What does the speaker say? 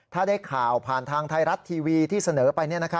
ถ้าได้ข่าวผ่านทางไทยรัฐทีวีที่เสนอไป